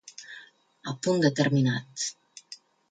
A punt determinat.